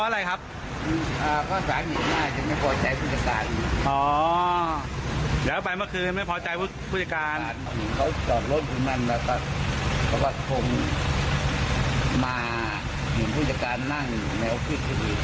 แล้วก็พบมาเหมือนผู้จัดการนั่งในออฟฟิศที่ดี